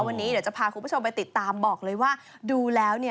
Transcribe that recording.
วันนี้เดี๋ยวจะพาคุณผู้ชมไปติดตามบอกเลยว่าดูแล้วเนี่ย